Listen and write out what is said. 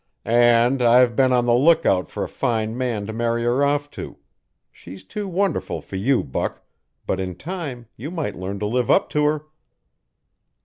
" and I we been on the lookout for a fine man to marry her off to. She's too wonderful for you, Buck, but in time you might learn to live up to her."